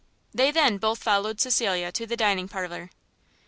They then both followed Cecilia to the dining parlour.